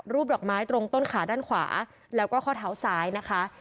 ดอกไม้ตรงต้นขาด้านขวาแล้วก็ข้อเท้าซ้ายนะคะ